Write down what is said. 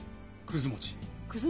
くず餅？